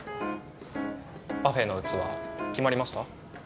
パフェの器決まりました？